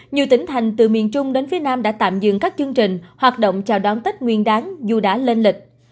nhiều tỉnh thành từ miền trung đến phía nam đã tạm dừng các chương trình hoạt động chào đón tết nguyên đáng dù đã lên lịch